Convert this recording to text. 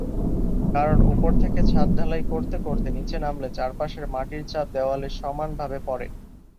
কারণ উপর থেকে ছাদ ঢালাই করতে করতে নিচে নামলে, চারপাশের মাটির চাপ দেওয়ালে সমান ভাবে পড়ে।